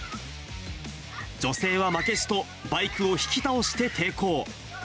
女性は負けじと、バイクを引き倒して抵抗。